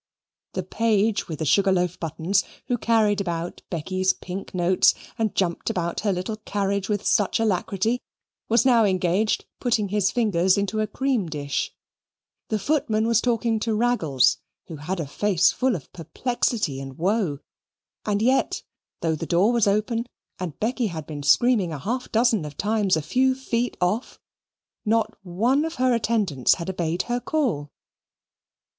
The page with the sugar loaf buttons, who carried about Becky's pink notes, and jumped about her little carriage with such alacrity, was now engaged putting his fingers into a cream dish; the footman was talking to Raggles, who had a face full of perplexity and woe and yet, though the door was open, and Becky had been screaming a half dozen of times a few feet off, not one of her attendants had obeyed her call.